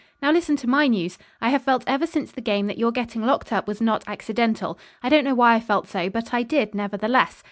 "Now listen to my news. I have felt ever since the game that your getting locked up was not accidental. I don't know why I felt so, but I did, nevertheless.